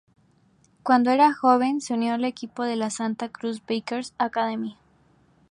Cuando era joven, se unió al equipo de la Santa Cruz Breakers Academy.